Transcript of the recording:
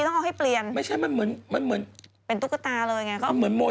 คุณเหมันคือคนที่มีรากฐานของความหน้าตาได้รักอยู่แล้ว